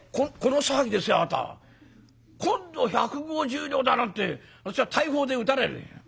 今度百五十両だなんて私は大砲で撃たれるよ」。